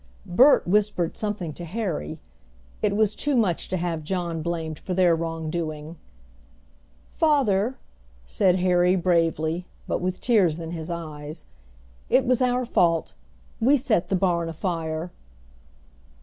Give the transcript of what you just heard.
Bert whispered something to Harry. It was too much to have John blamed for their wrongdoing. "Father!" said Harry bravely, but with tears in his eyes. "It was our fault; we set the barn afire!"